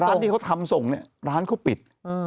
ร้านที่เขาทำส่งเนี่ยร้านเขาปิด